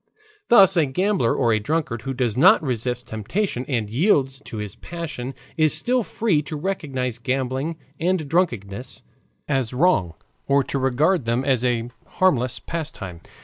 Thus a gambler or a drunkard who does not resist temptation and yields to his passion is still free to recognize gambling and drunkenness as wrong or to regard them as a harmless pastime.